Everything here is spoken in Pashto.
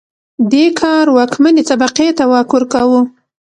دې کار واکمنې طبقې ته واک ورکاوه